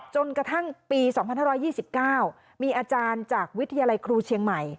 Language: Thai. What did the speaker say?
จนกระทั่งปี๒๕๒๙มีอาจารย์จากวิทยาลัยครูเชียงใหม่